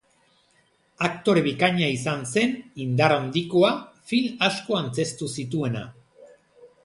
Aktore bikaina izan zen, indar handikoa, film asko antzeztu zituena.